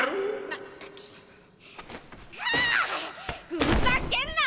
ふざけるな！